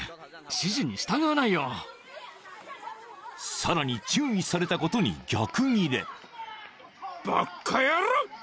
［さらに注意されたことに逆ギレ］